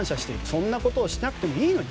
そんなことしなくてもいいのに。